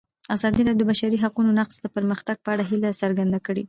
ازادي راډیو د د بشري حقونو نقض د پرمختګ په اړه هیله څرګنده کړې.